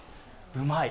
うまい。